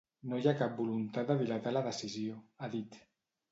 No hi cap voluntat de dilatar la decisió, ha dit.